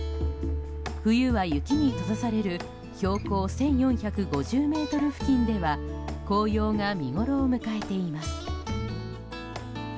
冬は雪に閉ざされる標高１４５０ｍ付近では紅葉が見ごろを迎えています。